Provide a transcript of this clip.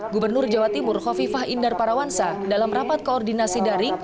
gubernur jawa timur hovifah indar parawansa dalam rapat koordinasi daring